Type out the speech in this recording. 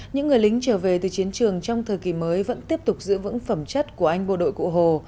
những người lính trở về từ chiến trường trong thời kỳ mới vẫn tiếp tục giữ vững phẩm chất của anh bộ đội cụ hồ